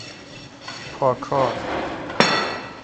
پا کار